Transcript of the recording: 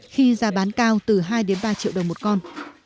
khi giá bán cao từ hai đến ba triệu đồng một con